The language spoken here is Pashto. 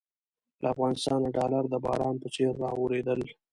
له افغانستانه ډالر د باران په څېر رااورېدل.